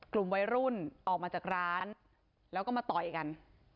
กลุ่มวัยรุ่นออกมาจากร้านแล้วก็มาต่อยกัน